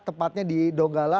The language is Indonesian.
tepatnya di donggala